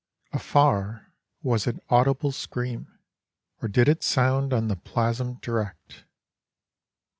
A far, was it audible scream, Or did it sound on the plasm direct?